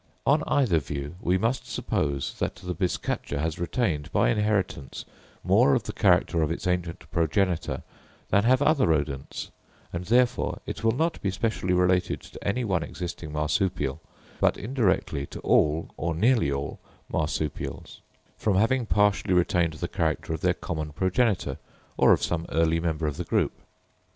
On either view we must suppose that the bizcacha has retained, by inheritance, more of the character of its ancient progenitor than have other Rodents; and therefore it will not be specially related to any one existing Marsupial, but indirectly to all or nearly all Marsupials, from having partially retained the character of their common progenitor, or of some early member of the group.